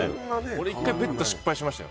俺、１回ベッド失敗しましたよ。